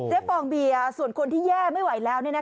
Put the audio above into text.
ฟองเบียร์ส่วนคนที่แย่ไม่ไหวแล้ว